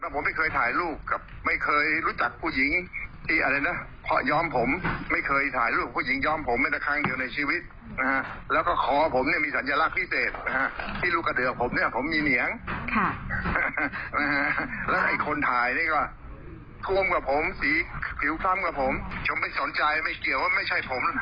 ภูมิกับผมสีผิวค่ำกับผมฉันไม่สนใจไม่เกี่ยวว่าไม่ใช่ผม